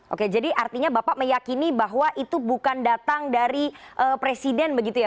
oke jadi artinya bapak meyakini bahwa itu bukan datang dari presiden begitu ya